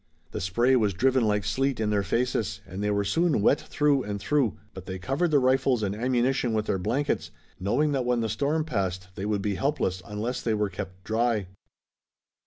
The spray was driven like sleet in their faces, and they were soon wet through and through, but they covered the rifles and ammunition with their blankets, knowing that when the storm passed they would be helpless unless they were kept dry.